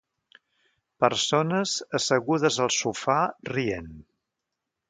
Persones assegudes al sofà rient.